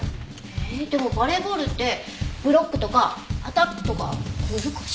えでもバレーボールってブロックとかアタックとか難しいですよね。